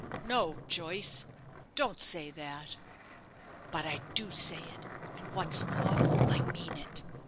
"No, Joyce, don't say that." "But I do say it; and what's more, I mean it.